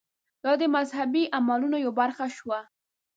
دا د مذهبي عملونو یوه برخه شوه.